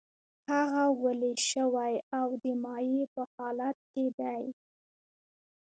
هغه ویلې شوی او د مایع په حالت کې دی.